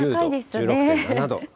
１６．７度。